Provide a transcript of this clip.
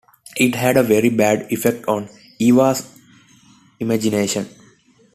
It had a very bad effect on Eva’s imagination.